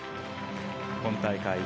今大会